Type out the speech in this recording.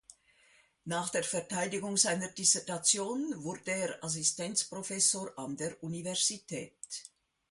Nach der Verteidigung seiner Dissertation wurde er Assistenzprofessor an der Universität.